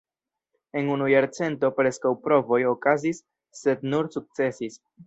En unu jarcento, preskaŭ provoj okazis sed nur sukcesis.